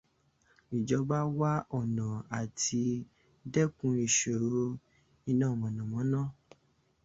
Ìjọba wá ọ̀nà àti dẹ́kun ìṣòro iná mọ̀nàmọ́ná.